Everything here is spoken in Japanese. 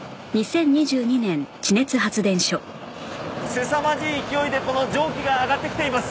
すさまじい勢いでこの蒸気が上がってきています。